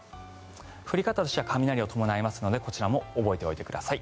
降り方としては雷を伴いますのでこちらも覚えておいてください。